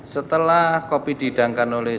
setelah kopi didangkan oleh